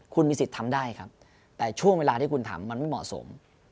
คุณมีสิทธิ์ทำได้ครับแต่ช่วงเวลาที่คุณทำมันไม่เหมาะสม